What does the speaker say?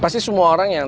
pasti semua orang yang